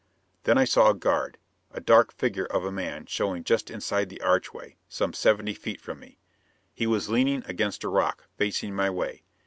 Then I saw a guard a dark figure of a man showing just inside the archway, some seventy feet from me. He was leaning against a rock, facing my way.